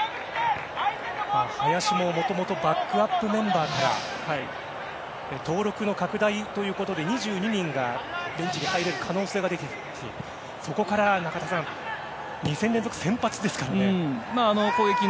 林も、もともとバックアップメンバーから登録の拡大ということで２２人がベンチに入れる可能性が出てきてそこから２戦連続先発ですからね。